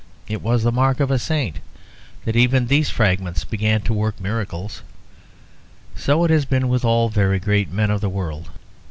It was the mark of a saint that even these fragments began to work miracles. So it has been with all the very great men of the world.